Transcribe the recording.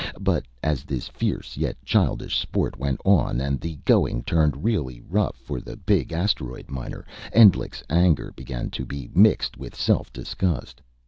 But as this fierce yet childish sport went on, and the going turned really rough for the big asteroid miner, Endlich's anger began to be mixed with self disgust.